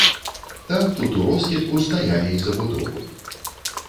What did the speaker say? Так тут уроскідку стаялі і забудовы.